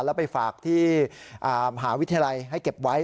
แล้วไปฝากที่มหาวิทยาลัยให้เก็บไว้